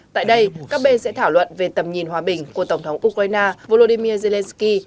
tại đây các bên sẽ thảo luận về tầm nhìn hòa bình của tổng thống ukraine volodymyr zelensky